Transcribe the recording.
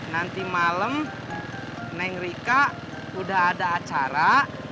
nanti malam neng rika udah ada acara